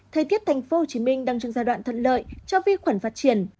thời tiết tp hcm đang trong giai đoạn thuận lợi cho vi khuẩn phát triển